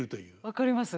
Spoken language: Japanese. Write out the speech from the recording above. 分かります。